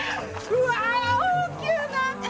うわ大きゅうなって！